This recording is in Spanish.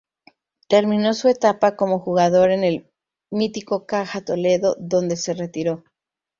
Terminó su etapa como jugador en el mítico Caja Toledo, donde se retiró.